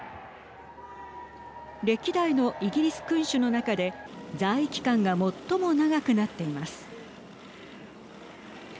歴代のイギリス君主の中で在位期間が最も長くなっています。